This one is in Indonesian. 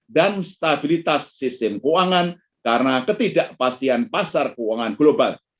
dan stabilitas sistem keuangan karena ketidakpastian pasar keuangan global